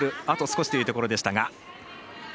あと少しというところでしたが。